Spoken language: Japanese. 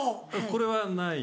これはない。